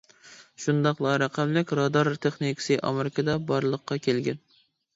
شۇنداقلا، رەقەملىك رادار تېخنىكىسى ئامېرىكىدا بارلىققا كەلگەن.